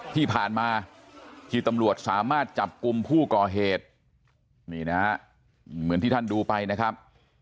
ที่ผ่านมาที่ตำรวจสามารถจับกลุ่มผู้ก่อเหตุนี่นะฮะเหมือนที่ท่านดูไปนะครับ